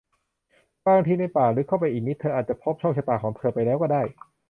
บางที ในป่าลึกเข้าไปอีกนิด เธออาจจะพบโชคชะตาของเธอไปแล้วก็ได้